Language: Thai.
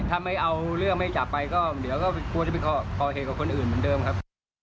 ถ้าไม่เอาเรื่องไม่จับไปก็เดี๋ยวก็กลัวจะไปก่อเหตุกับคนอื่นเหมือนเดิมครับ